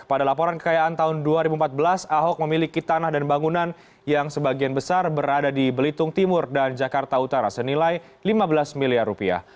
pada laporan kekayaan tahun dua ribu empat belas ahok memiliki tanah dan bangunan yang sebagian besar berada di belitung timur dan jakarta utara senilai lima belas miliar rupiah